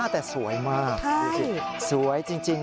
แต่สวยมากสวยจริง